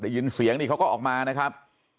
ได้ยินเสียงนี่เขาก็ออกมานะครับ